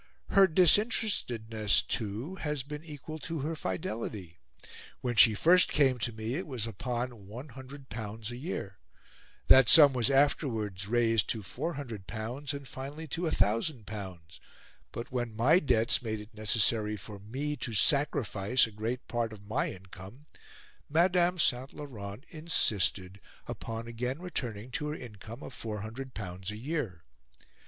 Her disinterestedness, too, has been equal to her fidelity. When she first came to me it was upon L100 a year. That sum was afterwards raised to L400 and finally to L1000; but when my debts made it necessary for me to sacrifice a great part of my income, Madame St. Laurent insisted upon again returning to her income of L400 a year.